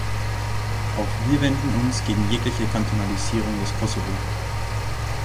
Auch wir wenden uns gegen jegliche Kantonalisierung des Kosovo.